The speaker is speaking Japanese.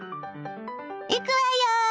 いくわよ！